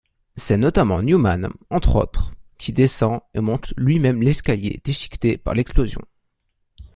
C'est notamment Newman, entre autres, qui descend et monte lui-même l'escalier déchiqueté par l'explosion.